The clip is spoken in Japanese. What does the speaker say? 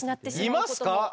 いますか？